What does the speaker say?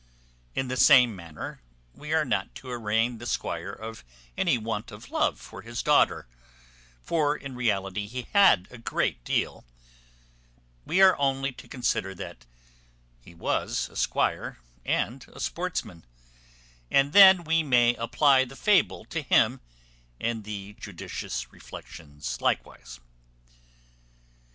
In the same manner we are not to arraign the squire of any want of love for his daughter; for in reality he had a great deal; we are only to consider that he was a squire and a sportsman, and then we may apply the fable to him, and the judicious reflections likewise.